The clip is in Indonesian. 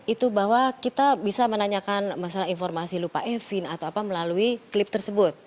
itu bahwa kita bisa menanyakan masalah informasi lupa efin atau apa melalui klip tersebut